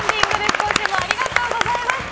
今週もありがとうございました。